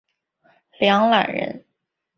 梁览人。